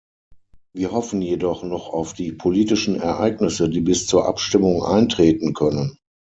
Wir hoffen jedoch noch auf die politischen Ereignisse, die bis zur Abstimmung eintreten können.